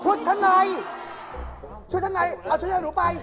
ชุดชะไน่ชุดชะไน่เอาชุดชะไน่หนูไป